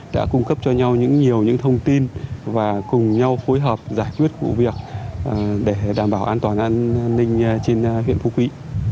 đã cung cấp cho nhau những nhiều những thông tin và cùng nhau phối hợp giải quyết vụ việc để đảm bảo an toàn an ninh trên huyện phú quý